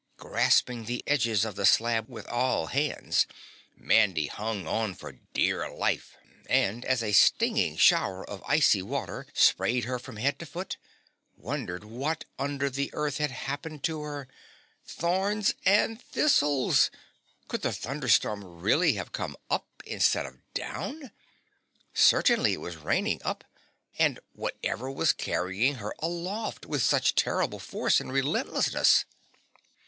Grasping the edges of the slab with all hands, Mandy hung on for dear life and as a stinging shower of icy water sprayed her from head to foot, wondered what under the earth was happening to her. Thorns and thistles! Could the thunder storm really have come UP instead of down? Certainly it was raining up, and what ever was carrying her aloft with such terrible force and relentlessness?